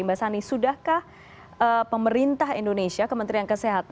mbak sani sudahkah pemerintah indonesia kementerian kesehatan